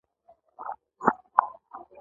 وروسته د جذامیانو لپاره بېلې کالونۍ جوړې شوې.